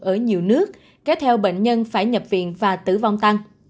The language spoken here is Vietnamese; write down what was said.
ở nhiều nước kéo theo bệnh nhân phải nhập viện và tử vong tăng